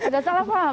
ada salah paham